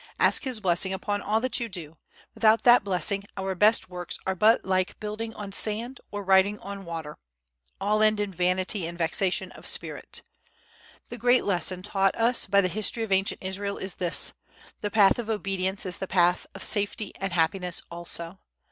Ask His blessing upon all that you do: without that blessing our best works are but like building on sand, or writing on water—all end in vanity and vexation of spirit. The great lesson taught us by the history of ancient Israel is this: the path of obedience is the path of safety and happiness also.